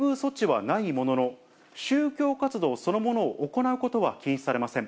一方で、優遇措置はないものの、宗教活動そのものを行うことは禁止されません。